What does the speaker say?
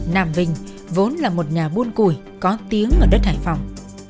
nam vinh vốn là một nhà buôn củi có tiếng ở đất hải phòng